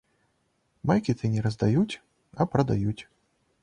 Майкі ты не раздаюць, а прадаюць.